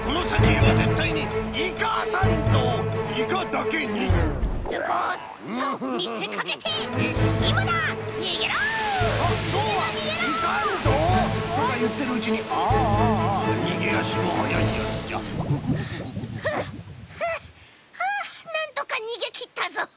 はあはあはあなんとかにげきったぞ。